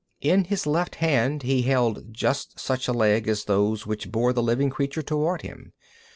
In his left hand he held just such a leg as those which bore the living creature toward him.